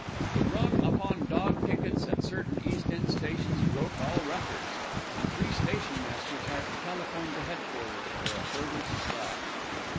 The run upon dog tickets at certain East end stations broke all records, and three stationmasters had to telephone to headquarters for a further supply.